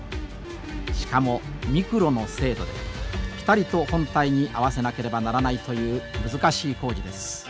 しかもミクロの精度でぴたりと本体に合わせなければならないという難しい工事です。